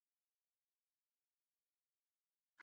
د سیستان خلکو په سپوږمیز کال ورسره بیعت وکړ.